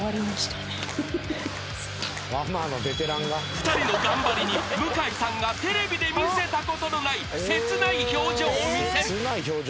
［２人の頑張りに向井さんがテレビで見せたことのない切ない表情を見せる］